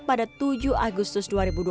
pada tujuh agustus dua ribu dua puluh